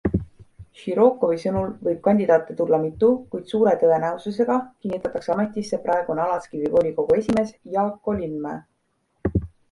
Širokovi sõnul võib kandidaate tulla mitu, kuid suure tõenäosusega kinnitatakse ametisse praegune Alatskivi volikogu esimees Jaako Lindmäe.